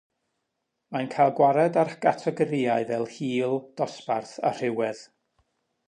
Mae'n cael gwared ar gategorïau fel hil, dosbarth, a rhywedd.